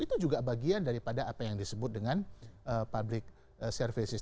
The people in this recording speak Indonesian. itu juga bagian daripada apa yang disebut dengan public services